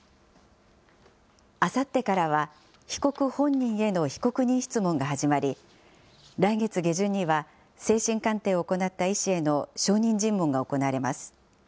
あさってからは、被告本人への被告人質問が始まり、来月下旬には、精神鑑定を行った医師への証人尋問が行われます。